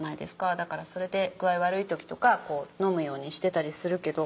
だからそれで具合悪い時とか飲むようにしてたりするけど。